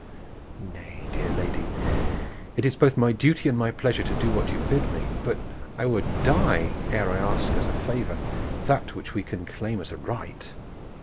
"Nay, dear lady, it is both my duty and my pleasure to do what you bid me; but I would die ere I ask as a favor that which we can claim as a right.